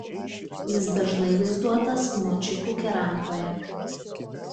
Jis dažnai vaizduotas močikų keramikoje.